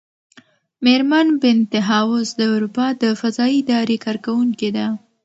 مېرمن بینتهاوس د اروپا د فضايي ادارې کارکوونکې ده.